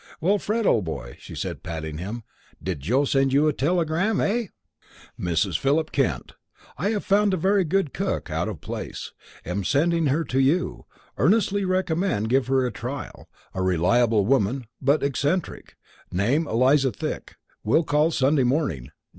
"Well, Fred, old boy," she said, patting him, "did Joe send you a telegram, heh?" "_Mrs. Philip Kent: Have found very good cook out of place am sending her to you earnestly recommend give her a trial reliable woman but eccentric name Eliza Thick will call Sunday morning.